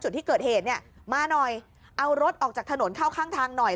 จุดที่เกิดเหตุเนี่ยมาหน่อยเอารถออกจากถนนเข้าข้างทางหน่อย